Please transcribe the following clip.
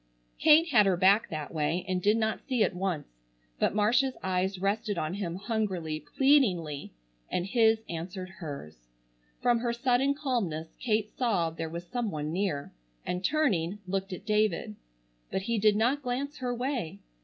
Kate had her back that way and did not see at once, but Marcia's eyes rested on him hungrily, pleadingly, and his answered hers. From her sudden calmness Kate saw there was some one near, and turning, looked at David. But he did not glance her way.